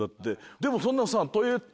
でもそんなのさ。